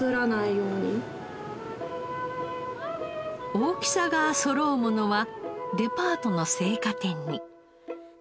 大きさがそろうものはデパートの青果店に。